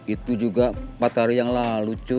itu juga empat hari yang lalu